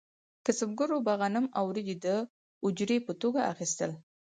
کسبګرو به غنم او وریجې د اجورې په توګه اخیستل.